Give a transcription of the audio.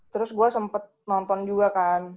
terus gue sempet nonton juga kan